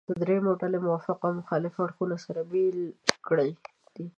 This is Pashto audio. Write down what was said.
درېیمې ډلې موافق او مخالف اړخونه سره بېل کړي دي.